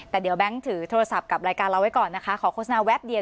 แต่เดี๋ยวแบงค์ถือโทรศัพท์กับรายการเราไว้ก่อนนะคะขอโฆษณาแวบเดียว